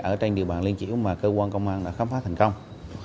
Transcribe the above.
ở trên địa bàn liên triểu mà cơ quan công an đã khám phá thành công